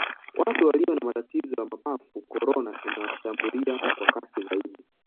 watu waliyo na matatizo ya mapafu korona inawashambulia kwa kasi zaidi